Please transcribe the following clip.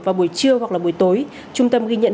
vào buổi trưa hoặc là buổi tối trung tâm ghi nhận